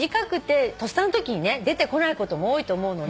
とっさのときにね出てこないことも多いと思うので。